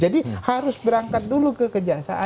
jadi harus berangkat dulu ke kejaksaan